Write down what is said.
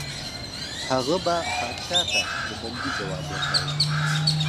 هغه به پادشاه ته د بندي ځواب ورکاوه.